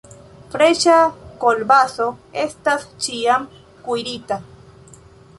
Freŝa kolbaso estas ĉiam kuirita.